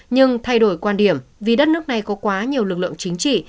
nhưng thay đổi quan điểm vì đất nước này có quá nhiều lực lượng chính trị